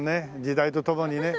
時代とともにね。